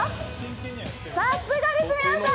さすがです皆さん！